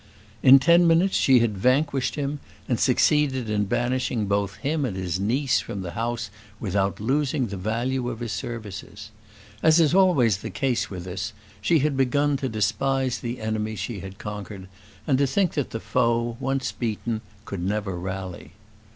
In ten minutes she had vanquished him, and succeeded in banishing both him and his niece from the house without losing the value of his services. As is always the case with us, she had begun to despise the enemy she had conquered, and to think that the foe, once beaten, could never rally.